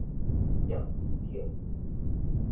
踮沬艇